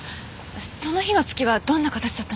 その日の月はどんな形だったのかしら？